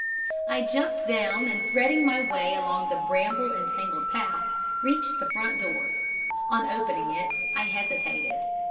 I jumped down, and threading my way along the bramble entangled path, reached the front door. On opening it, I hesitated.